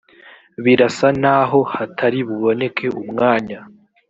birasa n aho hatari buboneke umwanya